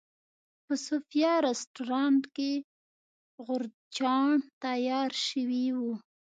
په صوفیا رسټورانټ کې غورچاڼ تیار شوی و.